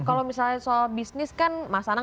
kalau misalnya soal bisnis kan mas anang